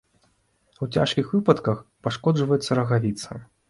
У цяжкіх выпадках пашкоджваецца рагавіца.